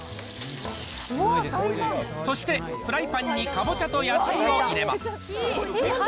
そしてフライパンにかぼちゃと野菜を入れます。